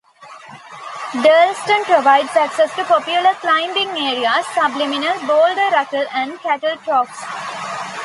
Durlston provides access to popular climbing areas, Subliminal, Boulder Ruckle and Cattle Troughs.